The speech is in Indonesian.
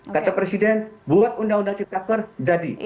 kata presiden buat undang undang cipta ker jadi